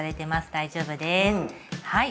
大丈夫ですはい。